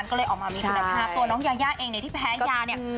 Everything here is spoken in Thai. ก็เลยมีพัฒนาตัวน้องยารยากเองในที่แพ้ยาเนี่ย